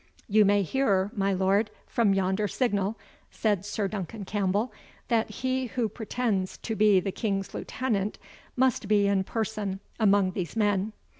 "You may hear, my lord, from yonder signal," said Sir Duncan Campbell, "that he who pretends to be the King's Lieutenant, must be in person among these men."